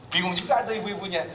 bingung juga aja ibu ibu nya